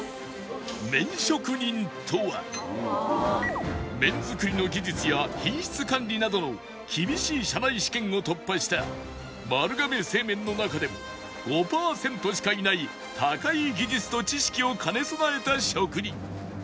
麺職人とは麺づくりの技術や品質管理などの厳しい社内試験を突破した丸亀製麺の中でも５パーセントしかいない高い技術と知識を兼ね備えた職人